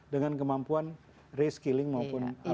dengan kemampuan reskilling maupun